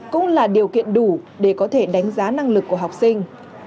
cũng là điều kiện đủ để có thể đánh giá năng lực của học sinh